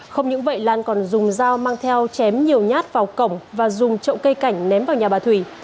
không những vậy lan còn dùng dao mang theo chém nhiều nhát vào cổng và dùng chậu cây cảnh ném vào nhà bà thủy